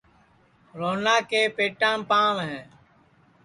روہنا کے پیتام پانٚؤ ہے